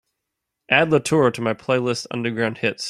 Add LaTour to my playlist underground hits.